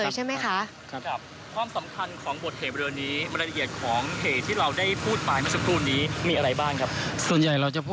สวัสดีครับ